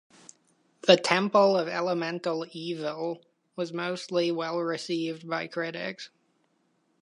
"The Temple of Elemental Evil" was mostly well received by critics.